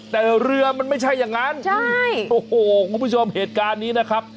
แต่เรือมันไม่ใช่อย่างนั้นใช่โอ้โหคุณผู้ชมเหตุการณ์นี้นะครับ